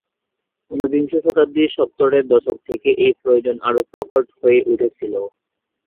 ঊনবিংশ শতাব্দীর সত্তরের দশক থেকে এ প্রয়োজন আরও প্রকট হয়ে উঠেছিল।